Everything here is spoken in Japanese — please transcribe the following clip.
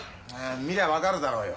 見りゃ分かるだろうよ。